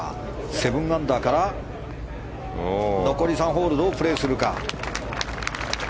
７アンダーから残り３ホールどうプレーするか。